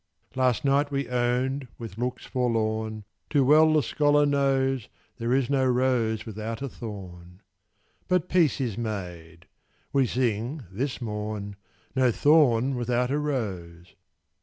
Last night we owned, with looks forlorn, "Too well the scholar knows There is no rose without a thorn" But peace is made! We sing, this morn, "No thorn without a rose!"